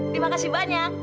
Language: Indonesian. terima kasih banyak